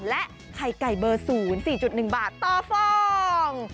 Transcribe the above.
และไข่ไก่เบอร์๐๔๑บาทต่อฟอง